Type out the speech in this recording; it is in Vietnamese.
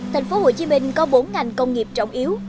thành phố hồ chí minh có bốn ngành công nghiệp trọng yếu